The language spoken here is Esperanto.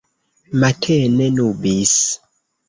Matene nubis.